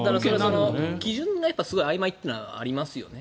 基準がすごいあいまいというのはありますよね。